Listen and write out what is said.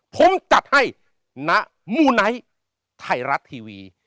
ผมจัดให้ณมูไนท์ไทยรัฐทีวี